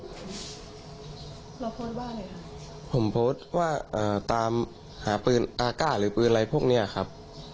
เราโพสต์ว่าอะไรครับผมโพสต์ว่าตามหาปืนอากาศหรือปืนอะไรพวกเนี้ยครับ